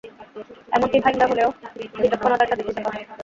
এমনকি ভাইঙ্গা হলেও বিচক্ষণতার সাথে খুলতে পারবো।